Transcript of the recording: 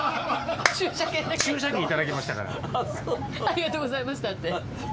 「ありがとうございました」って？